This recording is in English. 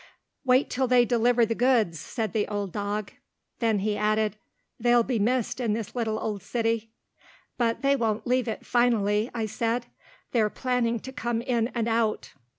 "Wait till they deliver the goods," said the old dog; then he added, "They'll be missed in this little old city." "But they won't leave it finally," I said. "They're planning to come in and out."